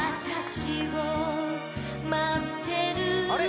あれ？